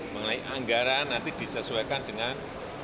mengenai anggaran nanti disesuaikan dengan